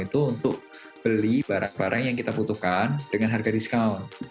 itu untuk beli barang barang yang kita butuhkan dengan harga diskaun